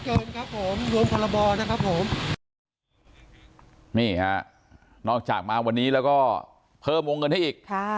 เกินครับผมรวมพรบนะครับผมนี่ฮะนอกจากมาวันนี้แล้วก็เพิ่มวงเงินให้อีกค่ะ